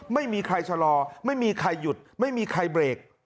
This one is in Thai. ไม่มีใครชะลอไม่มีใครหยุดไม่มีใครเบรก